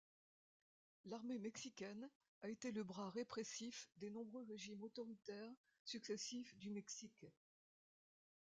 L'Armée mexicaine a été le bras répressif des nombreux régimes autoritaires successifs du Mexique.